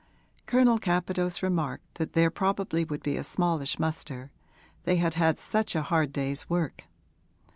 Colonel Capadose remarked that there probably would be a smallish muster, they had had such a hard day's work.